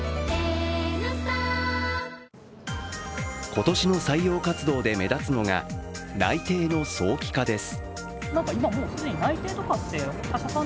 今年の採用活動で目立つのが内定の早期化です。